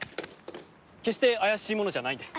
決して怪しい者じゃないです。